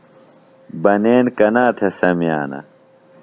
بنین کنا تھےۡ سمِیانہ؟